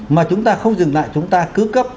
mà chúng ta không dừng lại chúng ta cứ cấp